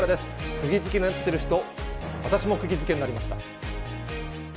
くぎづけになっている人、私もくぎづけになりました。